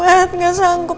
saya tidak sanggup